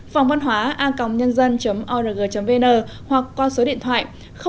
phòngvănhóaacongnhân dân org vn hoặc qua số điện thoại hai nghìn bốn trăm ba mươi hai sáu trăm sáu mươi chín năm trăm linh tám